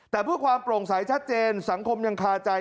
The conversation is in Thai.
แต่เพื่อความโปร่งใสชัดเจนสังคมยังคาใจ